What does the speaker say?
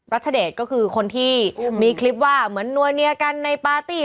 รัชเดชก็คือคนที่มีคลิปว่าเหมือนนัวเนียกันในปาร์ตี้